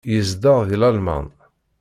Yezdeɣ deg Lalman.